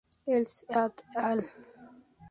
Ellis et al.